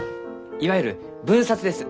いわゆる分冊です。